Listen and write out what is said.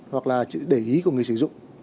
hoặc là chữ để ý của người sử dụng